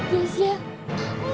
tapi kuat puat salmon